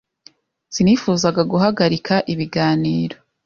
Sinifuzaga guhagarika ibiganiro.